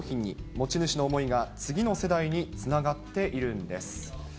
持ち主の思いが次の世代につながっているんです。